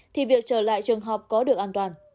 thì việc trở lại trường học có được an toàn